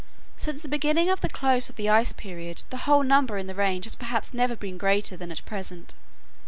Since the beginning of the close of the ice period the whole number in the range has perhaps never been greater than at present.